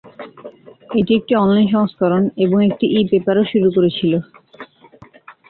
এটি একটি অনলাইন সংস্করণ এবং একটি ই-পেপারও শুরু করেছিল।